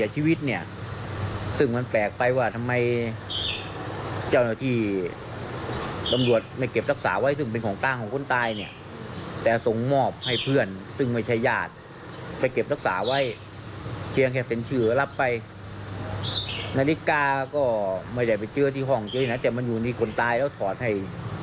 ให้เพื่อนไปได้ยังไง